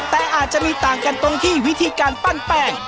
แต่อาจจะมีต่างกันตรงที่วิธีการปั้นแป้ง